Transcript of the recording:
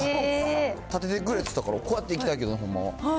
立ててくれてたから、こうやっていきたいけど、ほんまは。